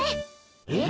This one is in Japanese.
えっ？